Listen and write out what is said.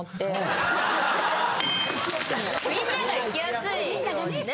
みんなが行きやすいようにね。